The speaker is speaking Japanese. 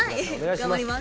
頑張ります。